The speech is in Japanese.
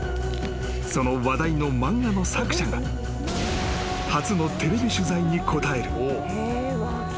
［その話題の漫画の作者が初のテレビ取材に応える］